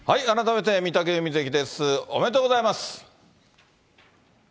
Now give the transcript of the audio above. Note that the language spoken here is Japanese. ありがとうございます。